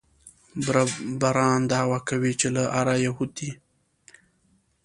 بربران دعوه کوي چې له آره یهود دي.